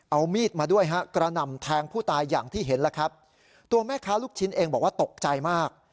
เอามีดมาด้วยฮะกระหน่ำแทงผู้ตายอย่างที่เห็นแล้วครับตัวแม่ค้าลูกชิ้นเองบอกว่าตกใจมาก